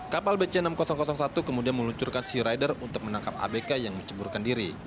kapal bc enam ribu satu kemudian meluncurkan sea rider untuk menangkap abk yang menceburkan diri